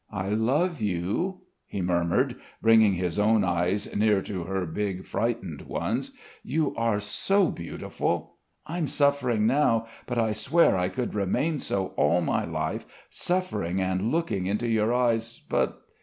"I love you," he murmured, bringing his own eyes near to her big, frightened ones. "You are so beautiful. I'm suffering now; but I swear I could remain so all my life, suffering and looking into your eyes, but....